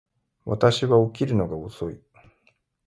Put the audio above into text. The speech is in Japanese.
私は起きるのが遅い